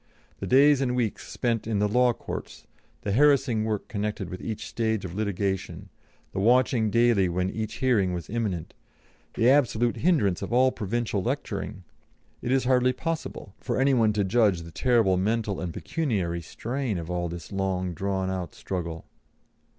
The days and weeks spent in the Law Courts, the harassing work connected with each stage of litigation, the watching daily when each hearing was imminent, the absolute hindrance of all provincial lecturing it is hardly possible for any one to judge the terrible mental and pecuniary strain of all this long drawn out struggle."